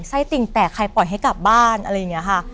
ไส้ติ่งแตกใครปล่อยให้กลับบ้านอะไรอย่างนี้ค่ะ